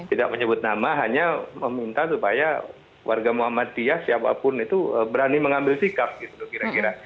tidak menyebut nama hanya meminta supaya warga muhammadiyah siapapun itu berani mengambil sikap gitu loh kira kira